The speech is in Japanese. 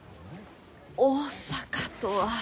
大阪とは。